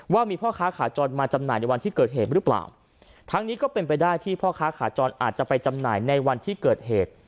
ว่ามีพ่อค้าขาจรมาจำหน่ายในวันที่เกิดเหตุหรือเปล่าทั้งนี้ก็เป็นไปได้ที่พ่อค้าขาจรอาจจะไปจำหน่ายในวันที่เกิดเหตุ